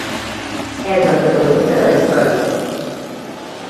És el protagonista de la història.